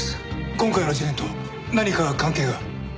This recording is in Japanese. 今回の事件と何か関係が？